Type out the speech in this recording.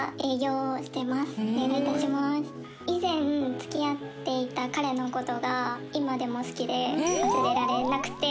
以前付き合っていた彼の事が今でも好きで忘れられなくて。